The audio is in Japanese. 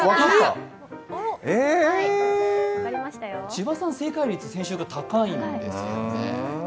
千葉さん、正解率が先週から高いんですよね。